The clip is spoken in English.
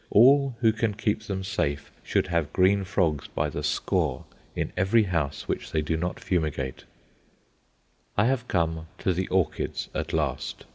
All who can keep them safe should have green frogs by the score in every house which they do not fumigate. I have come to the orchids at last.